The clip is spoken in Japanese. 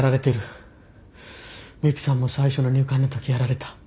ミユキさんも最初の入管の時やられた。